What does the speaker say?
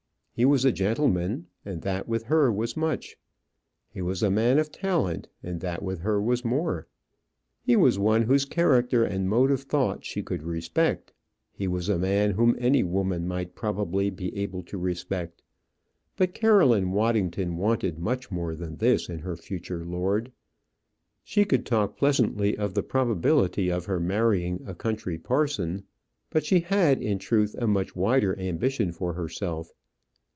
He was a gentleman, and that with her was much. He was a man of talent, and that with her was more. He was one whose character and mode of thought she could respect. He was a man whom any woman might probably be able to respect. But Caroline Waddington wanted much more than this in her future lord. She could talk pleasantly of the probability of her marrying a country parson; but she had, in truth, a much wider ambition for herself.